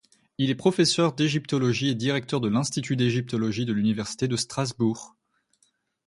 Il est professeur d'égyptologie et directeur de l'Institut d'égyptologie de l'Université de Strasbourg.